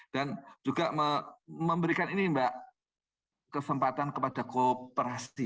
dan juga memberikan kesempatan kepada kooperasi